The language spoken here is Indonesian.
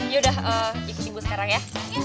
ya udah ikut ikut sekarang ya